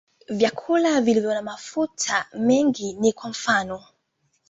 Vyakula vilivyo na mafuta mengi ni kwa mfano.